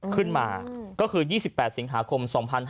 ขึ้นมาก็คือ๒๘สิงหาคม๒๕๕๙